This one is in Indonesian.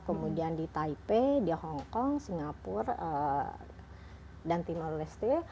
kemudian di taipei di hongkong singapura dan timur leste